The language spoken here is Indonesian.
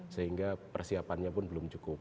sehingga persiapannya pun belum cukup